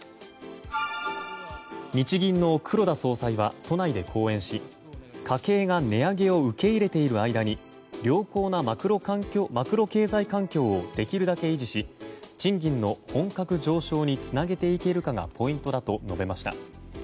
日銀の黒田総裁は都内で講演し家計が値上げを受け入れている間に良好なマクロ経済環境をできるだけ維持し賃金の本格上昇につなげていけるかがポイントだと述べました。